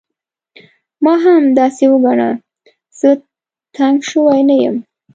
ما هم همداسې وګڼه، زه تنګ شوی نه یم.